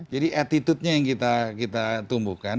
jadi attitude nya yang kita tumbuhkan